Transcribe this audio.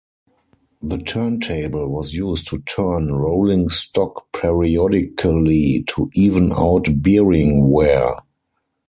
The turntable was used to turn rolling stock periodically to even-out bearing wear.